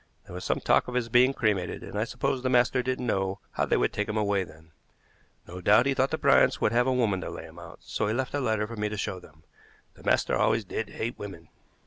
There was some talk of his being cremated, and I suppose the master didn't know how they would take him away then. No doubt he thought the Bryants would have a woman to lay him out, so he left a letter for me to show them. The master always did hate women."